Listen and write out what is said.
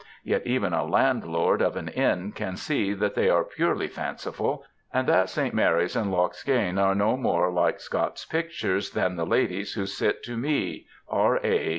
Yet even a landlord of an inn can see that they are purely fanciful, and that St. Mary''s and Loch Skene are no more like Scott^s pictures than the ladies who sit to Mee, R.A.